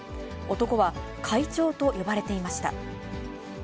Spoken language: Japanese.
男は、会長と呼ばれていました。